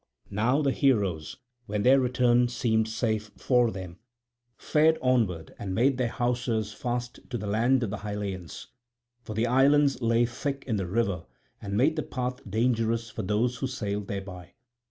Now the heroes, when their return seemed safe for them, fared onward and made their hawsers fast to the land of the Hylleans. For the islands lay thick in the river and made the path dangerous for those who sailed thereby.